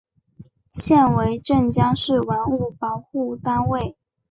现为镇江市文物保护单位。